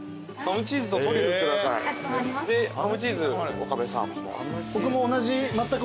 でハムチーズ岡部さんも。